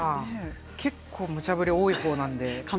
結構むちゃ振りが多い方なので。